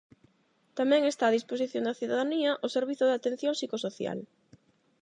Tamén está a disposición da cidadanía o servizo de atención psicosocial.